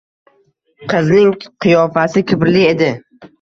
Qizning qiyofasi kibrli edi